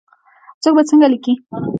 څوک به یې څنګه لیکې ؟